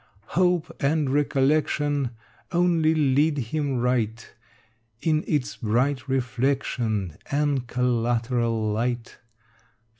Hope and recollection Only lead him right In its bright reflection And collateral light.